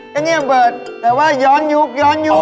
ก็นี่ไอ้เบิร์ดแต่ว่าย้อนยุก